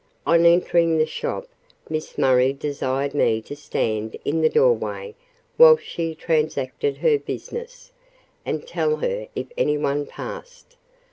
On entering the shop, Miss Murray desired me to stand in the doorway while she transacted her business, and tell her if anyone passed.